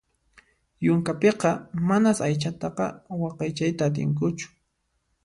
Yunkapiqa manas aychataqa waqaychayta atinkuchu.